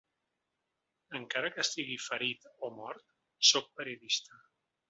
Encara que estigui ferit o mort, sóc periodista.